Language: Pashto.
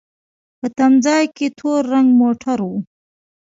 په تم ځای کې تور رنګ موټر و.